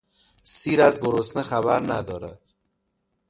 سیر از گرسنه خبر ندارد.